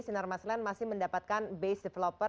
sinarmas land masih mendapatkan base developer